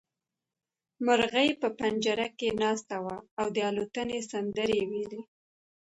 مرغۍ په پنجره کې ناسته وه او د الوتنې سندرې يې ويلې.